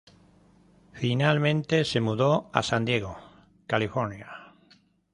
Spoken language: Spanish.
Finalmente se mudó a San Diego, California.